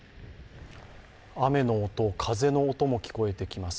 雨の音、風の音も聞こえてきます。